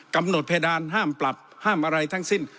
กำหนดเพดานห้ามปรับห้ามอะไรทั้งสิ้น